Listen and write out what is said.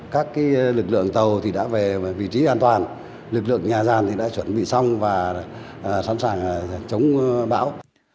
các lực lượng tàu đã về vị trí an toàn lực lượng nhà giàn đã chuẩn bị xong và sẵn sàng chống bão